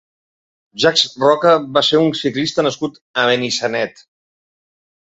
Jacques Roca va ser un ciclista nascut a Benissanet.